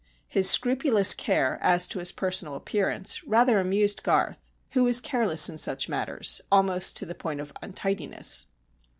His scrupulous care as to his personal appearance rather amused Garth, who was careless in such matters almost to the point of untidiness.